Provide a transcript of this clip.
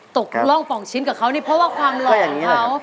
กล่องป่องชิ้นกับเขานี่เพราะว่าความหล่อของเขา